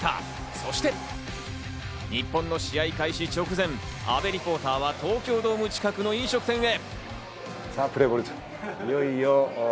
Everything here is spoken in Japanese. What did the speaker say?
そして日本の試合開始直前、阿部リポーターは東京ドーム近くの飲食店へ。